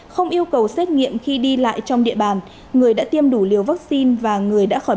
không yêu cầu xét nghiệm khi đi lại trong địa bàn người đã tiêm đủ liều vaccine và người đã khỏi